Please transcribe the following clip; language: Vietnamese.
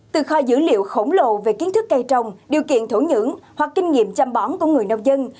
từ kho dữ liệu khổng lồ về kiến thức cây trồng điều kiện thổ nhưỡng hoặc kinh nghiệm chăm bón của người nông dân